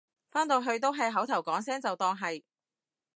返到去都係口頭講聲就當係